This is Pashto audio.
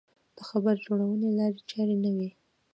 د خبر جوړونې لارې چارې نه وې.